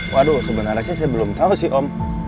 waduh sebenarnya saya belum tahu sih om